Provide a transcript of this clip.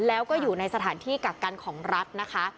แล้วก็อยู่ในสถานที่กักกันของรัฐนะคะ